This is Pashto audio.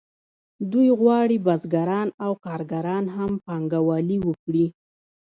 دوی غواړي بزګران او کارګران هم پانګوالي وکړي